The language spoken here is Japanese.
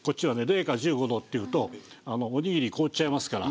零下１５度っていうとおにぎり凍っちゃいますから。